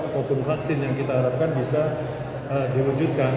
ataupun vaksin yang kita harapkan bisa diwujudkan